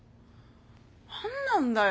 何なんだよ。